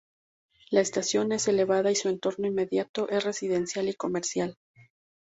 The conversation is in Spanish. La estación es elevada y su entorno inmediato es residencial y comercial.